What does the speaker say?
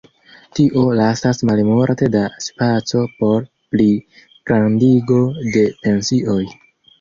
Tio lasas malmulte da spaco por pligrandigo de pensioj.